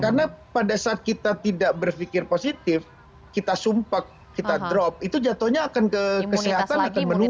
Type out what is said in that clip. karena pada saat kita tidak berpikir positif kita sumpah kita drop itu jatohnya akan ke kesehatan akan menurun